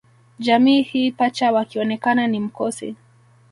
Jamii hii Pacha wakionekana ni mkosi